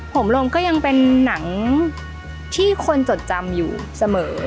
ผมลงก็ยังเป็นหนังที่คนจดจำอยู่เสมอ